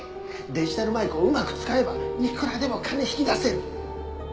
デジタル舞子をうまく使えばいくらでも金引き出せる。